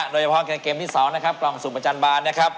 โดยเฉพาะในเกมที่สองนะครับกล่องสูมอาจารย์บานนะครับ